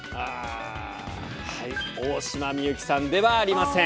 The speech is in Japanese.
大島美幸さんではありません。